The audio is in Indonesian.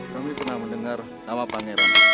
kami pernah mendengar nama pangeran